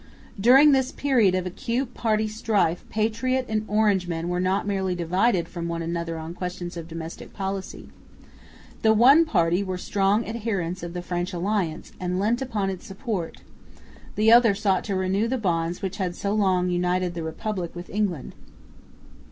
During this period of acute party strife Patriot and Orangeman were not merely divided from one another on questions of domestic policy. The one party were strong adherents of the French alliance and leant upon its support; the other sought to renew the bonds which had so long united the Republic with England.